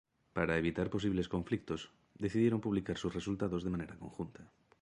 Para evitar posibles conflictos, decidieron publicar sus resultados de manera conjunta.